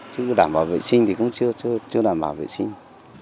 chứ đảm bảo vệ sinh thì cũng chưa đảm bảo vệ sinh